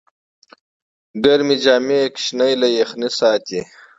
ګرمې جامې ماشوم له یخنۍ ساتي۔